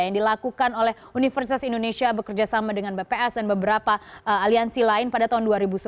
yang dilakukan oleh universitas indonesia bekerjasama dengan bps dan beberapa aliansi lain pada tahun dua ribu sebelas